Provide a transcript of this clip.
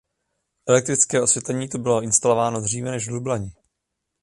Elektrické osvětlení tu bylo instalováno dříve než v Lublani.